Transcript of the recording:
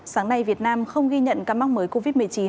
sáng nay việt nam không ghi nhận ca mắc mới covid một mươi chín